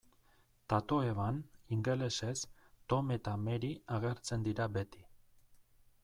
Tatoeban, ingelesez, Tom eta Mary agertzen dira beti.